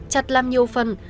chặt làm nhiêu phân